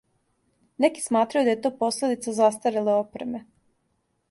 Неки сматрају да је то последица застареле опреме.